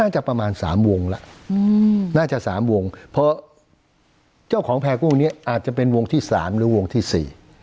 ประมาณสามวงแล้วน่าจะสามวงเพราะเจ้าของแพรกู้นี้อาจจะเป็นวงที่สามหรือวงที่สี่